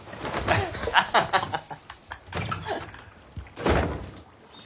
アハハハハ。